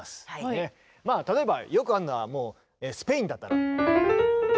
例えばよくあるのはもうスペインだったら。